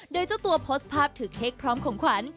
โดยเจ้าตัวโพสต์ภาพถือเค้กพร้อมของขวัญ